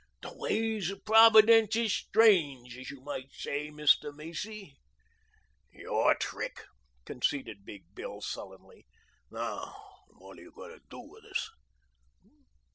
The ways of Providence is strange, as you might say, Mr. Macy." "Your trick," conceded Big Bill sullenly. "Now what are you going to do with us?"